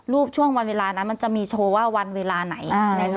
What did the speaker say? ช่วงวันเวลานั้นมันจะมีโชว์ว่าวันเวลาไหน